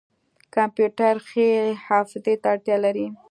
کمپیوټر ښې حافظې ته اړتیا لري.